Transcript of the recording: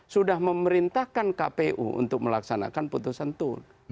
sudah memerintahkan kpu untuk melaksanakan putusan itu